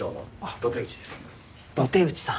土堤内さん